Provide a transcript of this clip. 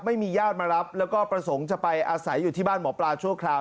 ญาติมารับแล้วก็ประสงค์จะไปอาศัยอยู่ที่บ้านหมอปลาชั่วคราว